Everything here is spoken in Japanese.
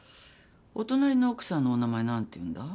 お隣の奥さんのお名前何というんだ？